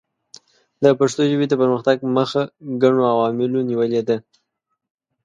د پښتو ژبې د پرمختګ مخه ګڼو عواملو نیولې ده.